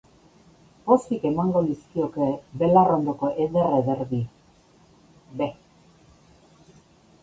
Pozik emango lizkioke belarrondoko eder-eder bi. b